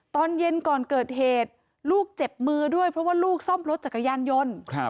ตอนเย็นก่อนเกิดเหตุลูกเจ็บมือด้วยเพราะว่าลูกซ่อมรถจักรยานยนต์